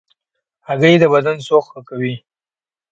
هګۍ د بدن سوخت ښه کوي.